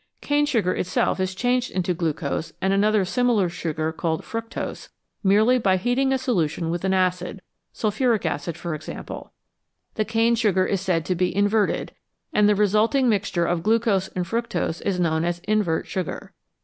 Cane sugar itself is changed into glucose and another similar sugar called " fructose," merely by heating a solution with an acid sulphuric acid, for example ; the cane sugar is said to be " inverted," and the resulting mixture of glucose and fructose is known as " invert sugar."